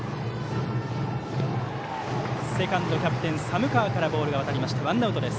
セカンド、キャプテンの寒川からボールが渡りまして、ワンアウト。